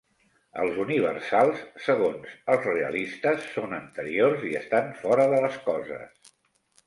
Els universals, segons els realistes, són anteriors i estan fora de les coses.